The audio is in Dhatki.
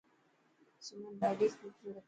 سمن ڏاڌي خوبصورت هي.